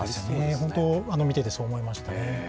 本当、見ててそう思いました。